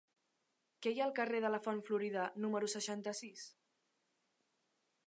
Què hi ha al carrer de la Font Florida número seixanta-sis?